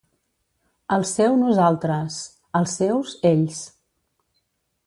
El seu nosaltres; els seus; ells.